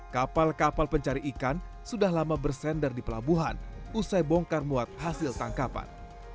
kapal kapal pencari ikan sudah lama bersendar di pelabuhan usai bongkar muat hasil tangkapan